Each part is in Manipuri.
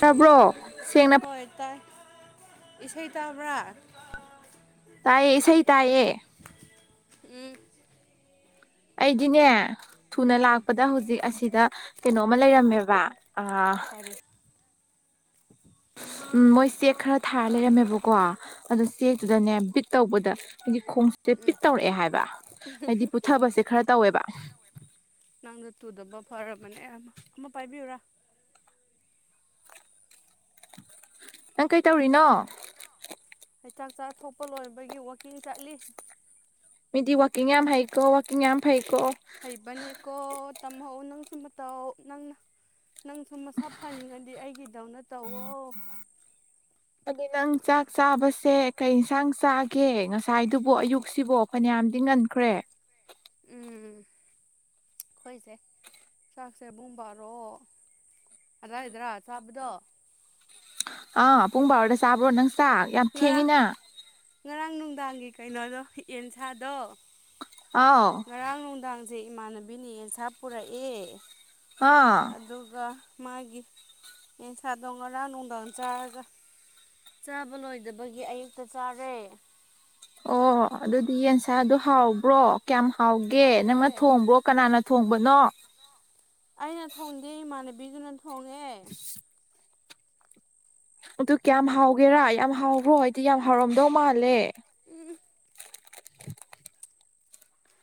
ꯇꯥꯕ꯭ꯔꯣ ꯁꯦꯡꯅ ꯍꯣꯏ ꯇꯥꯏ ꯏꯁꯩ ꯇꯥꯕ꯭ꯔꯥ ꯇꯥꯏꯌꯦ ꯏꯁꯩ ꯇꯥꯏꯌꯦ ꯎꯝ ꯑꯩꯗꯤꯅꯦ ꯊꯨꯅ ꯑꯥ ꯂꯥꯛꯄꯗ ꯍꯧꯖꯤꯛ ꯑꯁꯤꯗ ꯀꯩꯅꯣꯃ ꯂꯩꯔꯝꯃꯦꯕ ꯑ ꯀꯔꯤ ꯎꯝ ꯃꯣꯏ ꯆꯦꯛ ꯈꯔ ꯊꯥꯔ ꯂꯩꯔꯝꯃꯦꯕꯀꯣ ꯑꯗꯨ ꯆꯦꯛꯇꯨꯗꯅꯦ ꯕꯤꯠ ꯇꯧꯕꯗ ꯍꯥꯏꯗꯤ ꯈꯣꯡ ꯇꯦ ꯕꯤꯠ ꯇꯧꯔꯛꯑꯦ ꯍꯥꯏꯕ ꯍꯥꯏꯗꯤ ꯄꯨꯊꯕꯁꯦ ꯈꯔ ꯇꯧꯋꯦꯕ ꯅꯪꯅ ꯇꯨꯗꯕ ꯐꯔꯕꯅꯦ ꯑꯃ ꯄꯥꯏꯕꯤꯌꯨꯨꯔꯥ ꯅꯪ ꯀꯩꯇꯧꯔꯤꯅꯣ ꯑꯩ ꯆꯥꯛ ꯆꯥꯊꯣꯛꯄ ꯂꯣꯏꯕꯒꯤ ꯋꯥꯛꯀꯤꯡ ꯆꯠꯂꯤ ꯃꯤꯗꯤ ꯋꯥꯛꯀꯤꯡ ꯌꯥꯝ ꯍꯩꯀꯣ ꯋꯥꯛꯀꯤꯡ ꯌꯥꯝ ꯐꯩꯀꯣ ꯀꯣ ꯇꯝꯍꯧ ꯅꯪꯁꯨ ꯃꯇꯧ ꯅꯪꯅ ꯅꯪꯁꯨ ꯅꯪꯁꯨ ꯃꯁꯥ ꯐꯅꯤꯡꯉꯗꯤ ꯑꯩꯒꯤꯗꯧꯅ ꯇꯧꯋꯣ ꯑꯗꯨ ꯅꯪ ꯆꯥꯛ ꯆꯥꯕꯁꯦ ꯀꯩ ꯏꯟꯁꯥꯡ ꯆꯥꯒꯦ ꯉꯁꯥꯏꯗꯨꯕꯨ ꯑꯌꯨꯛꯁꯤꯕꯣ ꯐꯅꯌꯥꯝꯗꯤ ꯉꯟꯈ꯭ꯔꯦ ꯎꯝ ꯑꯩꯈꯣꯏꯁꯦ ꯆꯥꯛꯁꯦ ꯄꯨꯡ ꯕꯥꯔꯣ ꯀꯔꯥꯏꯗꯔꯥ ꯆꯥꯕꯗꯣ ꯑꯥ ꯄꯨꯡ ꯕꯥꯥꯔꯣꯗ ꯆꯥꯕ꯭ꯔꯣ ꯅꯪ ꯆꯥꯛ ꯌꯥꯝ ꯉꯔꯥꯡ ꯊꯦꯡꯉꯤꯅ ꯉꯔꯥꯡ ꯅꯨꯡꯗꯥꯡꯒꯤ ꯀꯩꯅꯣꯗꯣ ꯌꯦꯟ ꯁꯥꯥꯗꯣ ꯑꯥꯎ ꯉꯔꯥꯡ ꯅꯨꯡꯗꯥꯡꯁꯦ ꯏꯃꯥꯟꯅꯕꯤꯅ ꯌꯦꯟꯁꯥ ꯄꯨꯔꯛꯑꯦ ꯍꯥꯥ ꯑꯗꯨꯒ ꯃꯥꯒꯤ ꯌꯦꯟꯁꯥꯗꯣ ꯉꯔꯥꯡ ꯅꯨꯡꯗꯥꯡ ꯆꯥꯔꯒ ꯆꯥꯕ ꯂꯣꯏꯗꯕꯒꯤ ꯑꯌꯨꯛꯇ ꯆꯥꯔꯦ ꯑꯣ ꯑꯗꯨꯗꯤ ꯌꯦꯟꯁꯥꯗꯣ ꯍꯥꯎꯕ꯭ꯔꯣ ꯀꯌꯥꯝ ꯍꯥꯎꯒꯦ ꯍꯥꯎꯋꯦ ꯅꯪꯅ ꯊꯣꯡꯕ꯭ꯔꯣ ꯀꯅꯥꯅ ꯊꯣꯡꯕꯅꯣ ꯑꯩꯅ ꯊꯣꯡꯗꯦ ꯏꯃꯥꯟꯅꯕꯤꯗꯨꯅ ꯊꯣꯡꯉꯦ ꯑꯗꯨ ꯀꯌꯥꯝ ꯍꯥꯎꯒꯦꯔꯥ ꯌꯥꯝ ꯍꯥꯎꯕ꯭ꯔꯣ ꯍꯥꯏꯗꯤ ꯌꯥꯝ ꯍꯥꯎꯔꯝꯗꯧ ꯃꯥꯜꯂꯦ ꯎꯝ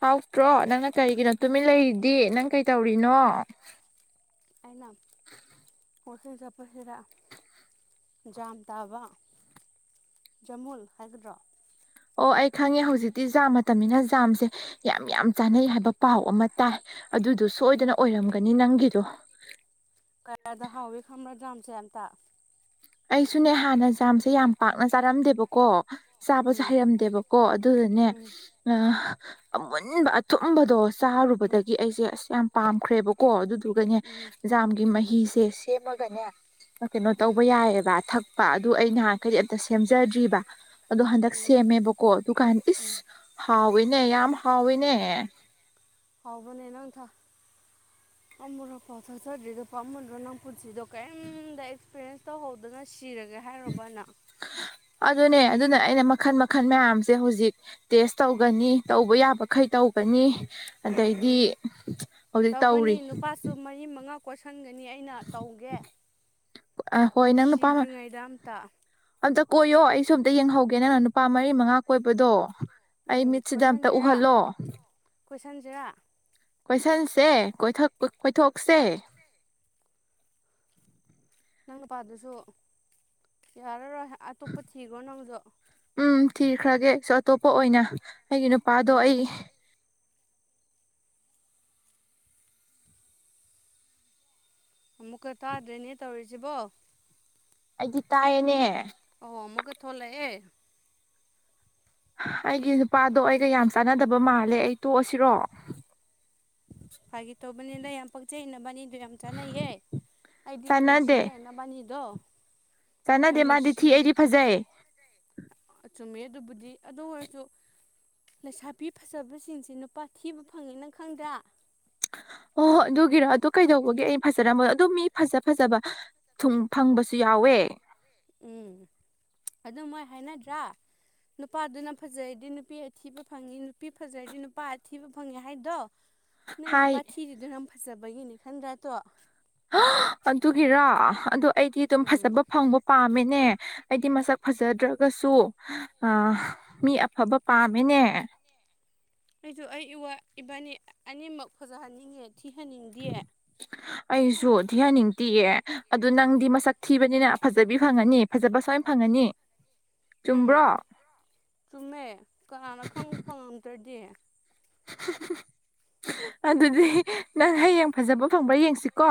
ꯍꯥꯎꯇ꯭ꯔꯣ ꯅꯪꯅ ꯀꯔꯤꯒꯤꯅꯣ ꯇꯨꯃꯤꯟ ꯂꯩꯔꯤꯗꯤ ꯅꯪ ꯀꯩꯇꯧꯔꯤꯅꯣ ꯑꯩꯅ ꯋꯥꯀꯤꯡ ꯆꯠꯄ ꯁꯤꯗ ꯖꯥꯝ ꯇꯥꯕ ꯖꯃꯨꯜ ꯍꯥꯏꯒꯗ꯭ꯔꯥ ꯑꯣ ꯑꯩ ꯈꯪꯉꯦ ꯍꯧꯖꯤꯛꯇꯤ ꯖꯥꯝ ꯃꯇꯝꯅꯤꯅ ꯖꯥꯝꯁꯦ ꯌꯥꯝ ꯌꯥꯝ ꯆꯥꯅꯩ ꯍꯥꯏꯕ ꯄꯥꯎ ꯑꯃ ꯇꯥꯏ ꯑꯗꯨꯗꯣ ꯁꯣꯏꯗꯅ ꯑꯣꯏꯔꯝꯒꯅꯤ ꯅꯪꯒꯤꯗꯣ ꯀꯌꯥꯗ ꯍꯥꯎꯏ ꯈꯪꯕ꯭ꯔꯥ ꯖꯥꯝꯁꯦ ꯑꯝꯇ ꯑꯩꯁꯨꯅꯦ ꯍꯥꯟꯅ ꯖꯥꯝꯁꯦ ꯌꯥꯝ ꯄꯥꯛꯅ ꯆꯥꯔꯝꯗꯦꯕꯀꯣ ꯆꯥꯕꯁꯨ ꯎꯝ ꯍꯩꯔꯝꯗꯦꯕꯀꯣ ꯑꯗꯨꯗꯅꯦ ꯎꯝ ꯑꯃꯨꯟꯕ ꯑꯊꯨꯝꯕꯗꯣ ꯎꯝ ꯆꯥꯔꯨꯕꯗꯒꯤ ꯑꯩꯁꯦ ꯑꯁ ꯌꯥꯝ ꯄꯥꯝꯈ꯭ꯔꯦꯕꯀꯣ ꯑꯗꯨꯗꯨꯒꯅꯦ ꯎꯝ ꯖꯥꯝꯒꯤ ꯃꯍꯤꯁꯦ ꯁꯦꯝꯃꯒꯅꯦ ꯀꯩꯅꯣ ꯇꯧꯕ ꯎꯝ ꯌꯥꯏꯑꯕ ꯊꯛꯄ ꯑꯗꯨ ꯑꯩ ꯅꯍꯥꯟ ꯎꯝ ꯈꯩꯗꯤ ꯑꯝꯇ ꯁꯦꯝꯖꯥꯗ꯭ꯔꯤꯕ ꯑꯗꯣ ꯍꯟꯗꯛ ꯎꯝ ꯁꯦꯝꯃꯦꯕꯀꯣ ꯑꯗꯨ ꯀꯟ ꯏꯁ ꯍꯥꯎꯋꯤꯅꯦ ꯌꯥꯝ ꯍꯥꯎꯋꯤꯅꯦ ꯍꯥꯎꯕꯅꯦ ꯅꯪ ꯊꯥꯛ ꯑꯃꯨꯔꯛꯐꯥꯎ ꯆꯠꯆꯥꯗꯔꯤꯗꯣ ꯄꯥꯝꯃꯨꯗ꯭ꯔꯣ ꯅꯄꯨꯟꯁꯤꯗꯣ ꯀꯩꯝꯗ ꯑꯦꯛꯁꯄꯤꯔꯤꯌꯦꯟꯁ ꯇꯧ ꯍꯧꯗ ꯉꯥꯏ ꯁꯤꯔꯒꯦ ꯍꯥꯏꯔꯨꯕ ꯅꯪ ꯑꯗꯨꯅꯦ ꯑꯗꯨꯅ ꯑꯩꯅ ꯃꯈꯜ ꯃꯈꯜ ꯃꯌꯥꯝꯁꯦ ꯍꯧꯖꯤꯛ ꯇꯦꯁ ꯇꯧꯒꯅꯤ ꯇꯧꯕ ꯌꯥꯕꯈꯩ ꯇꯧꯒꯅꯤ ꯑꯗꯩꯗꯤ ꯎꯝ ꯍꯧꯖꯤꯛ ꯇꯧꯒꯅꯤ ꯇꯧꯔꯤ ꯅꯨꯄꯥꯁꯨ ꯃꯔꯤ ꯃꯉꯥ ꯀꯣꯏꯁꯟꯒꯅꯤ ꯑꯩꯅ ꯇꯧꯒꯦ ꯑ ꯍꯣꯏ ꯅꯪ ꯅꯨꯄꯥ ꯑꯃ ꯁꯤꯗ꯭ꯔꯤꯉꯩꯗ ꯑꯝꯇ ꯑꯝꯇ ꯀꯣꯏꯌꯣ ꯑꯩꯁꯨ ꯑꯝꯇ ꯌꯦꯡꯍꯧꯒꯦ ꯅꯪꯅ ꯅꯨꯄꯥ ꯃꯔꯤ ꯃꯉꯥ ꯀꯣꯏꯕꯗꯣ ꯑꯩ ꯎꯝ ꯃꯤꯠꯁꯤꯗ ꯑꯝꯇ ꯎꯍꯜꯂꯣ ꯀꯣꯏꯁꯟꯁꯦꯔ ꯀꯣꯏꯁꯟꯁꯦ ꯀꯣꯏꯊꯥꯛ ꯀꯣꯏꯊꯣꯛꯁꯦ ꯅꯪ ꯅꯨꯄꯥꯗꯨꯁꯨ ꯌꯥꯔꯔꯣꯏ ꯑꯇꯣꯞꯄ ꯊꯤꯈ꯭ꯔꯣ ꯅꯪꯁꯨ ꯎꯝ ꯊꯤꯈ꯭ꯔꯥꯒꯦꯁꯨ ꯑꯇꯣꯞꯄ ꯑꯣꯏꯅ ꯑꯩꯒꯤ ꯅꯨꯄꯥꯗꯣ ꯎꯝ ꯑꯩ ꯑꯃꯨꯛꯀ ꯇꯥꯗ꯭ꯔꯦꯅꯦ ꯇꯧꯔꯤꯁꯤꯕꯣ ꯑꯩꯗꯤ ꯇꯥꯏꯌꯦꯅꯦ ꯑꯣ ꯑꯃꯨꯛꯀ ꯊꯣꯛꯂꯛꯑꯦ ꯑꯩꯒꯤ ꯅꯨꯄꯥꯗꯣ ꯑꯩꯒ ꯌꯥꯝ ꯆꯥꯟꯅꯗꯕ ꯃꯥꯜꯂꯦ ꯑꯩ ꯇꯣꯛꯑꯁꯤꯔꯣ ꯐꯥꯒꯤ ꯇꯧꯕꯅꯤꯗ ꯌꯥꯝ ꯄꯛꯆꯩ ꯅꯕꯥꯅꯤꯗꯣ ꯌꯥꯝ ꯆꯥꯅꯩꯌꯦ ꯑꯩꯗꯤ ꯌꯥꯝ ꯆꯥꯟꯅꯗꯦ ꯅꯨꯡꯁꯤꯌꯦ ꯅꯕꯥꯅꯤꯗꯣ ꯌꯥꯝ ꯆꯥꯟꯅꯗꯦ ꯃꯥꯗꯤ ꯅꯨꯡꯁꯤ ꯊꯤ ꯑꯩꯗꯤ ꯐꯖꯩ ꯑꯥ ꯆꯨꯝꯃꯦ ꯑꯗꯨꯕꯨꯗꯤ ꯑꯗꯨ ꯑꯣꯏꯔꯁꯨ ꯂꯩꯁꯥꯕꯤ ꯐꯥꯖꯕꯁꯤꯡꯁꯤ ꯅꯨꯄꯥ ꯊꯤꯕ ꯐꯪꯉꯦ ꯅꯪ ꯈꯪꯗ꯭ꯔꯥ ꯍꯣ ꯑꯗꯨꯒꯤꯔꯣ ꯑꯗꯨ ꯀꯩꯗꯧꯕꯒꯤ ꯑꯩ ꯐꯖꯥꯔꯝꯕ ꯑꯗꯨ ꯃꯤ ꯐꯖꯥ ꯐꯥꯖꯕ ꯊꯨꯨꯡ ꯐꯪꯕꯁꯨ ꯌꯥꯎꯋꯦ ꯎꯝ ꯑꯗꯨ ꯃꯣꯏ ꯍꯥꯏꯅꯗ꯭ꯔꯥ ꯅꯨꯄꯥꯗꯨꯅ ꯐꯥꯖꯔꯗꯤ ꯅꯨꯄꯤ ꯑꯊꯤꯕ ꯐꯪꯉꯤ ꯅꯨꯄꯤ ꯐꯥꯖꯔꯗꯤ ꯅꯨꯄꯥ ꯑꯊꯤꯕ ꯐꯪꯉꯤ ꯍꯥꯏꯗꯣ ꯅꯪ ꯍꯥꯏ ꯅꯨꯄꯥ ꯊꯤꯔꯤꯗꯨ ꯅꯪ ꯐꯥꯖꯕꯒꯤꯅꯤ ꯈꯪꯗ꯭ꯔꯥ ꯇꯣ ꯍ ꯑꯗꯨꯒꯤꯔꯥ ꯑꯗꯣ ꯑꯩꯗꯤ ꯑꯗꯨꯝ ꯎꯝ ꯐꯖꯕ ꯐꯪꯕ ꯄꯥꯝꯃꯦꯅꯦ ꯑꯩꯗꯤ ꯃꯁꯛ ꯐꯖꯗ꯭ꯔꯒꯁꯨ ꯑ ꯃꯤ ꯑꯐꯕ ꯄꯥꯝꯃꯦꯅꯦ ꯑꯩꯁꯨ ꯑꯩ ꯏꯋꯥ ꯏꯕꯥꯅꯤ ꯑꯅꯤꯃꯛ ꯐꯖꯍꯟꯅꯤꯡꯉꯦ ꯊꯤꯍꯟꯅꯤꯡꯗꯤꯌꯦ ꯑꯩꯁꯨ ꯊꯤꯍꯟꯅꯤꯡ ꯇꯤꯑꯦ ꯑꯗꯣ ꯅꯪꯗꯤ ꯃꯁꯛ ꯊꯤꯕꯅꯤꯅ ꯐꯖꯕꯤ ꯐꯪꯉꯅꯤ ꯐꯖꯕ ꯁꯣꯏ ꯐꯪꯉꯅꯤ ꯎꯝ ꯆꯨꯝꯕ꯭ꯔꯣ ꯆꯨꯝꯗꫭ ꯆꯨꯝꯃꯦ ꯀꯅꯥꯅ ꯈꯪ ꯐꯪꯉꯝꯗ꯭ꯔꯥꯗꯤ ꯑꯗꯨꯗꯤ ꯅꯪ ꯍꯌꯦꯡ ꯐꯥꯖꯕ ꯐꯪꯕ ꯌꯦꯡꯁꯤ ꯀꯣ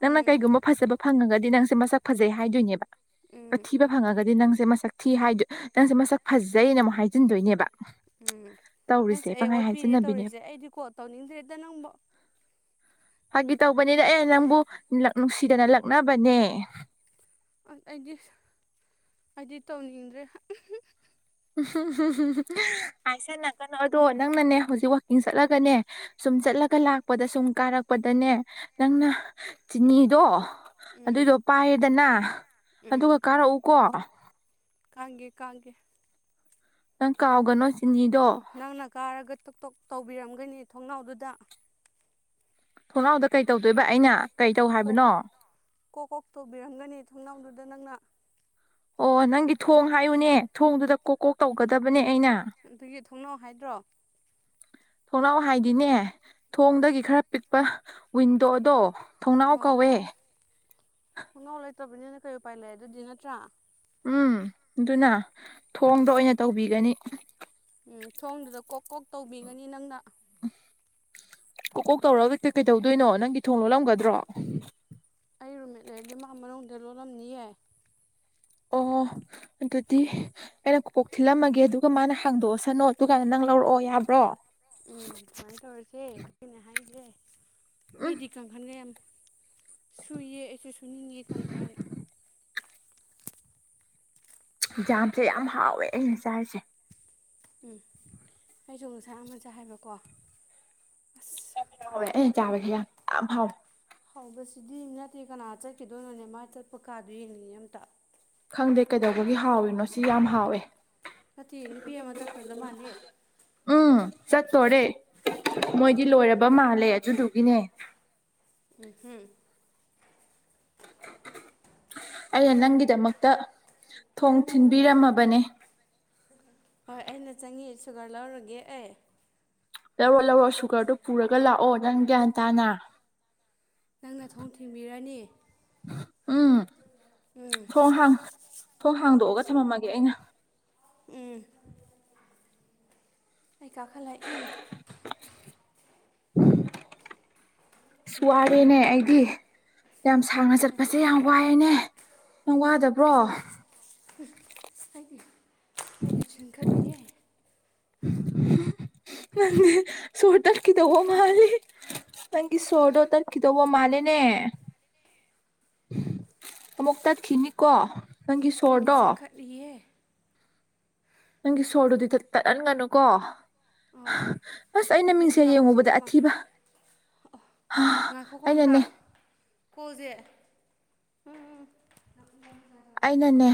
ꯅꯪꯅ ꯎꯝ ꯀꯩꯒꯨꯝꯕ ꯐꯥꯖꯕ ꯐꯪꯉꯒꯗꯤ ꯅꯪꯁꯦ ꯃꯁꯛ ꯐꯖꯩ ꯍꯥꯏꯗꯣꯏꯅꯦꯕ ꯎꯝ ꯑꯊꯤꯕ ꯐꯪꯉꯒꯗꯤ ꯅꯪꯁꯦ ꯃꯁꯛ ꯊꯤ ꯍꯥꯏꯗꯨ ꯅꯪꯁꯦ ꯃꯁꯛ ꯐꯖꯩꯅ ꯃꯨꯛ ꯍꯥꯏꯖꯤꯟꯗꯣꯏꯅꯦꯕ ꯎꯝ ꯇꯧꯔꯤꯁꯦ ꯅꯪꯁꯦ ꯑꯩ ꯄꯪꯍꯥꯏ ꯑꯣꯠꯄꯤꯔꯤ ꯍꯥꯏꯖꯤꯟꯅꯕꯤꯅꯦꯕ ꯇꯧꯔꯤꯁꯦ ꯑꯩꯗꯤ ꯀꯣ ꯇꯧꯅꯤꯡꯗ꯭ꯔꯦꯗ ꯅꯪꯕꯣ ꯐꯥꯒꯤ ꯇꯧꯕꯅꯤꯗ ꯑꯦꯅ ꯅꯪꯕꯨ ꯂꯛ ꯅꯨꯡꯁꯤꯗꯅ ꯂꯛꯅꯕꯅꯦ ꯑꯩꯗꯤ ꯁꯥ ꯑꯩꯗꯤ ꯇꯧꯅꯤꯡꯗ꯭ꯔꯦ ꯇꯥꯏꯁꯤꯟꯅꯒꯅꯣ ꯑꯗꯣ ꯅꯪꯅꯅꯦ ꯍꯨꯖꯤꯛ ꯋꯥꯛꯀꯤꯡ ꯆꯠꯂꯒꯅꯦ ꯁꯨꯝ ꯆꯠꯂꯒ ꯂꯥꯛꯄꯗ ꯁꯨꯝ ꯀꯥꯔꯛꯄꯗꯅꯦ ꯅꯪꯅ ꯆꯤꯅꯤꯗꯣ ꯎꯝ ꯑꯗꯨꯗꯣ ꯄꯥꯏꯔꯦꯗꯅ ꯑꯗꯨꯒ ꯎꯝ ꯀꯥꯔꯛꯎꯀꯣ ꯀꯥꯡꯒꯦ ꯀꯥꯡꯒꯦ ꯅꯪ ꯀꯥꯎꯒꯅꯣ ꯆꯤꯅꯤꯗꯣ ꯅꯪꯅ ꯀꯥꯔꯒ ꯇꯣꯛ ꯇꯣꯛ ꯇꯧꯕꯤꯔꯝꯒꯅꯤ ꯊꯣꯡꯅꯥꯎꯗꯨꯗ ꯊꯣꯡꯅꯥꯎꯗ ꯀꯩ ꯇꯧꯗꯨꯏꯕ ꯑꯩꯅ ꯀꯩ ꯇꯧ ꯀꯣ ꯍꯥꯏꯕꯅꯣ ꯀꯣꯛ ꯀꯣꯛ ꯇꯧꯕꯤꯔꯝꯒꯅꯤ ꯊꯣꯡꯅꯥꯎꯗꯨꯗ ꯅꯪꯅ ꯑꯣ ꯅꯪꯒꯤ ꯊꯣꯡ ꯍꯥꯏꯌꯨꯅꯦ ꯊꯣꯡꯗꯨꯗ ꯀꯣꯛ ꯀꯣꯛ ꯇꯧꯒꯗꯕꯅꯦ ꯑꯩꯅ ꯑꯗꯨꯒꯤ ꯊꯣꯡꯅꯥꯎ ꯍꯥꯏꯗ꯭ꯔꯣ ꯊꯣꯡꯅꯥꯎ ꯍꯥꯏꯗꯤꯅꯦ ꯊꯣꯡꯗꯒꯤ ꯈꯔ ꯄꯤꯛꯄ ꯋꯤꯟꯗꯣꯗꯣ [unintelligible] ꯎ ꯊꯣꯡꯅꯥꯎ ꯀꯧꯋꯦ [unintelligible] ꯂꯩꯇꯕꯅꯤꯅ ꯀꯩ ꯎꯄꯥꯏ ꯂꯩ ꯑꯗꯨꯗꯤ ꯅꯠꯇ꯭ꯔꯥ ꯎꯝ ꯑꯗꯨꯅꯥ ꯊꯣꯡꯗ ꯑꯣꯏꯅ ꯇꯧꯕꯤꯒꯅꯤ ꯎꯝ ꯊꯣꯡꯗꯨꯗ ꯀꯣꯛ ꯀꯣꯛ ꯇꯧꯕꯤꯒꯅꯤ ꯅꯪꯅ ꯀꯣꯛ ꯀꯣꯛ ꯇꯧꯔꯒ ꯍꯦꯛꯇ ꯀꯩ ꯇꯧꯗꯣꯏꯅꯣ ꯅꯪꯒꯤ ꯊꯣꯡ ꯂꯣꯜꯂꯝꯒꯗ꯭ꯔꯣ ꯑꯩ ꯔꯨꯝꯃꯦꯠꯠ ꯂꯩꯔꯗꯤ ꯃꯥ ꯃꯅꯨꯡꯗꯩ ꯂꯣꯜꯂꯝꯅꯤꯌꯦ ꯑꯣ ꯑꯣ ꯑꯗꯨꯗꯤ ꯑꯩꯅ ꯀꯣ ꯀꯣꯛ ꯊꯤꯜꯂꯝꯃꯒꯦ ꯗꯨ [unintelligible] ꯃꯥꯅ ꯍꯥꯡꯗꯣꯛꯑꯁꯅꯣ ꯑꯗꯨꯀꯥꯟꯗ ꯅꯪ ꯂꯧꯔꯛꯑꯣ ꯌꯥꯕ꯭ꯔꯣ ꯎꯝ ꯁꯨꯃꯥꯏ ꯇꯧꯔꯁꯦ ꯑꯗꯨ [unintelligible] ꯅꯦ ꯍꯥꯏꯁꯦ ꯃꯤꯗꯤ ꯀꯪ [unintelligible] ꯁꯨꯏꯌꯦ ꯑꯩꯁꯨ ꯁꯨꯅꯤꯡꯉꯩ ꯀꯥꯡꯈꯟ ꯖꯥꯝꯁꯦ ꯌꯥꯝ ꯍꯥꯎꯋꯦ ꯑꯩꯅ ꯆꯥꯔꯤꯁꯦ ꯎꯝ ꯑꯩꯁꯨ ꯉꯁꯥꯏ ꯑꯃꯥ ꯆꯥꯏ ꯍꯥꯏꯕꯀꯣ ꯑꯁ [unintelligible] ꯑꯩꯅ ꯆꯥꯕꯁꯦ ꯌꯥꯝ ꯍꯥꯎ ꯍꯥꯎꯕꯁꯤꯗꯤ ꯅꯠꯇꯦ ꯀꯅꯥ ꯆꯠꯈꯤꯗꯣꯏꯅꯣꯅꯦ ꯅꯣꯅꯦꯃꯥ ꯆꯠꯄ ꯀꯥꯗꯣ ꯌꯦꯡꯅꯤꯡꯉꯤ ꯑꯝꯇ ꯈꯪꯗꯦ ꯀꯩꯗꯧꯕꯒꯤ ꯍꯥꯎꯔꯤꯅꯣ ꯁꯤ ꯌꯥꯝ ꯍꯥꯎꯋꯦ ꯅꯠꯇꯦ ꯅꯨꯄꯤ ꯑꯃ ꯆꯠꯈ꯭ꯔꯗ ꯃꯥꯜꯂꯦ ꯎꯝ ꯆꯠꯇꯣꯔꯦ ꯃꯣꯏꯗꯤ ꯂꯣꯏꯔꯕ ꯃꯥꯜꯂꯦ ꯑꯗꯨꯗꯨꯒꯤꯅꯦ ꯎꯝ [unintelligible] ꯑꯩꯅ ꯅꯪꯒꯤꯗꯃꯛꯇ ꯊꯣꯡ ꯊꯤꯟꯕꯤꯔꯝꯃꯕꯅꯦ ꯍꯣꯏ ꯑꯩꯅ ꯆꯪꯉꯦ ꯁꯨꯒ꯭ꯔ ꯂꯧꯔꯒꯦ ꯑꯩ ꯂꯧꯔꯣ ꯂꯧꯔꯣ ꯁꯨꯒ꯭ꯔꯗꯣ ꯄꯨꯔꯒ ꯂꯥꯛꯑꯣ ꯅꯪ ꯒ꯭ꯌꯥꯟ ꯇꯥꯅ ꯅꯪꯅ ꯊꯣꯡ ꯊꯤꯡꯕꯤꯔꯅꯤ ꯎꯝ ꯎꯝ ꯊꯣꯡ ꯍꯥꯡ ꯊꯣꯡ ꯍꯥꯡꯗꯣꯛꯑꯒ ꯊꯃꯝꯃꯒꯦ ꯑꯩꯅ ꯎꯝ ꯑꯩ ꯀꯥꯈꯠꯂꯛꯏ ꯁꯤꯁ ꯋꯥꯔꯦꯅꯦ ꯑꯩꯗꯤ ꯌꯥꯝ ꯁꯥꯡꯅ ꯆꯠꯄꯁꯦ ꯑꯁ ꯌꯥꯝ ꯋꯥꯏꯑꯦꯅꯦ ꯅꯪ ꯋꯥꯗꯕ꯭ꯔꯣ [unintelligible] ꯑꯩꯗꯤ ꯑꯩꯗꯤ ꯆꯤꯡꯈꯠꯂꯤꯌꯦ [unintelligible] ꯅꯪꯗꯤ ꯁꯣꯔ ꯇꯠꯈꯤꯗꯧꯕ ꯃꯥꯜꯂꯤ ꯅꯪꯒꯤ ꯁꯣꯔꯗꯣ ꯇꯠꯈꯤꯗꯧꯕ ꯃꯥꯜꯂꯦꯅꯦ ꯑꯃꯨꯛ ꯇꯠꯈꯤꯅꯤꯀꯣ ꯅꯪꯒꯤ ꯑꯩꯗꯤ ꯁꯣꯔꯗꯣ ꯆꯦꯟꯈꯠꯂꯤꯌꯦ ꯅꯪꯒꯤ ꯁꯣꯔꯗꯨꯗꯤ ꯇꯠ ꯇꯠꯍꯟꯒꯅꯨꯀꯣ ꯍꯥ ꯑꯧ ꯑꯁ ꯑꯩꯅ ꯅꯠꯇꯦ ꯃꯤꯡꯁꯦꯜ ꯂꯥꯛꯑꯣ ꯁꯤꯗ ꯌꯦꯡꯉꯨꯕꯗ ꯑꯃ ꯑꯊꯤꯕ ꯑꯥ ꯑꯩꯅꯅꯦ ꯄꯣꯖꯦ ꯑꯩꯅꯅꯦ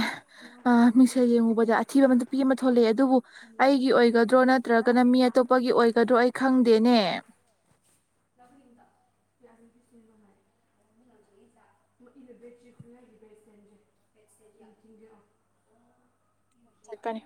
ꯑꯥ ꯃꯤꯡꯁꯦꯜ ꯌꯦꯡꯉꯨꯕꯗ ꯑꯩꯅꯅꯦ ꯑꯥ ꯃꯤꯡꯁꯦꯜ ꯌꯦꯡꯉꯨꯕꯗꯥ ꯑꯊꯤꯕ ꯑꯃ ꯅꯨꯄꯤ ꯑꯃ ꯊꯣꯛꯂꯛꯑꯦ ꯑꯗꯨꯕꯨ ꯑꯩꯒꯤ ꯑꯣꯏꯒ ꯑꯗꯣ ꯅꯠꯇ꯭ꯔꯒꯅ ꯃꯤ ꯑꯇꯣꯞꯄꯒꯤ ꯑꯣꯏꯒꯗ꯭ꯔꯣ ꯑꯩ ꯈꯪꯗꯦꯅꯦ [unintelligible] [unintelligible] [inaudible] ꯆꯠꯀꯅꯤ